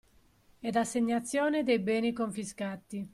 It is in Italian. Ed assegnazione dei beni confiscati